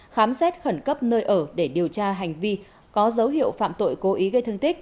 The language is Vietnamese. khám xét khẩn cấp nơi ở để điều tra hành vi có dấu hiệu phạm tội cố ý gây thương tích